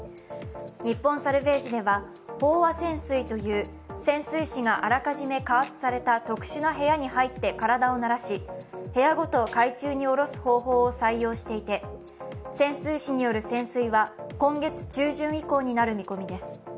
日本サルヴェージでは飽和潜水という潜水士があらかじめ加圧された特殊な部屋に入って体を慣らし部屋ごと海中におろす方法を採用していて、潜水士による潜水は今月中旬以降になる見込みです。